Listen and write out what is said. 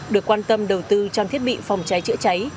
được quan tâm đầu tư trang thiết bị phòng cháy chữa cháy